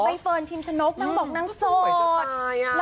แต่ใบเฟินพิมพ์ฉันนกบอกนางโสด